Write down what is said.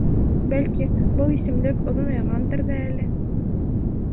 Бәлки, был исемлек оҙонайғандыр ҙа әле.